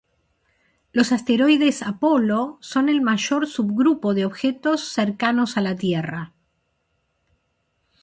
Los asteroides Apolo son el mayor subgrupo de objetos cercanos a la Tierra.